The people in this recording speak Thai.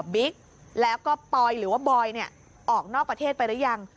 บิ๊กแล้วก็ปอยหรือว่าบอยออกนอกประเทศไปหรือยัง